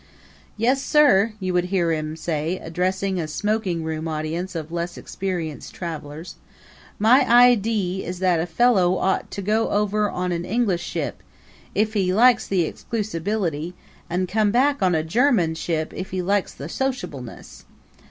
"Yes, sir," you would hear him say, addressing a smoking room audience of less experienced travelers, "my idee is that a fellow ought to go over on an English ship, if he likes the exclusability, and come back on a German ship if he likes the sociableness.